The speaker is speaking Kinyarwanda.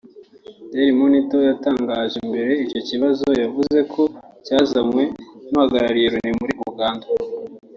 Daily Monitor yatangaje mbere icyo kibazo yavzue ko cyazamuwe n’Uhagarariye Loni muri Uganda